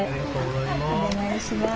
お願いします。